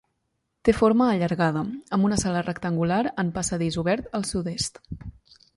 Té forma allargada, amb una sala rectangular en passadís obert al sud-est.